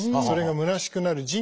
それが「虚しく」なる。